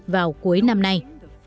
vào cuối năm nay